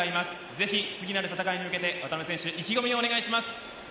ぜひ、次なる戦いに向けて意気込みをお願いします。